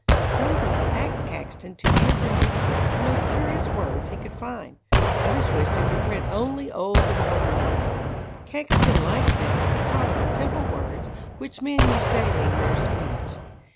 Some people asked Caxton to use in his books the most curious words he could find; others wished him to print only old and homely words. Caxton liked best the common, simple words which men used daily in their speech.